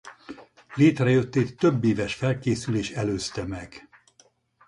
Létrejöttét több éves felkészülés előzte meg.